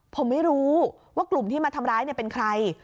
ผมไม่รู้ว่ากลุ่มที่มาทำร้ายเป็นใคร